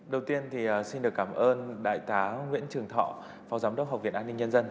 đầu tiên thì xin được cảm ơn đại tá nguyễn trường thọ phó giám đốc học viện an ninh nhân dân